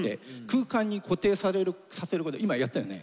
空間に固定させること今やったよね。